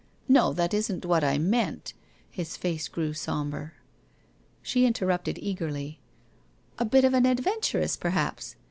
No, that isn't what I meant.' His face grew sombre. She interrupted eagerly: 'A bit of an adventuress, perhaps?